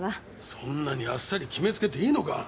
そんなにあっさり決め付けていいのか！